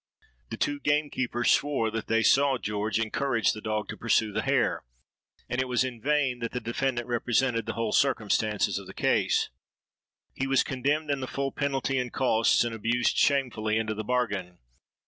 The two gamekeepers swore that they saw George encourage the dog to pursue the hare; and it was in vain that the defendant represented the whole circumstances of the case. He was condemned in the full penalty and costs, and abused shamefully into the bargain.